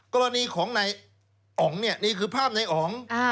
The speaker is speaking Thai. กรณีของนายอ๋องเนี่ยนี่คือภาพในอ๋อง